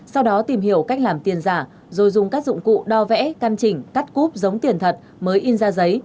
sau đó tìm hiểu cách làm tiền giả rồi dùng các dụng cụ đo vẽ căn chỉnh cắt cúp giống tiền thật mới in ra giấy